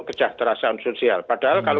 kejahteraan sosial padahal kalau